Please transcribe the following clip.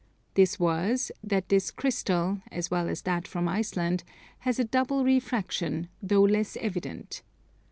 This was, that this crystal, as well as that from Iceland, has a double refraction, though less evident.